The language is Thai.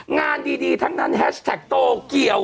งานดีทั้งนั้นแฮชแทคโตเกียวอ่ะ